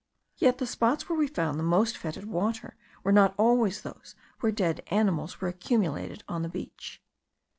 Yet the spots where we found the most fetid water, were not always those where dead animals were accumulated on the beach.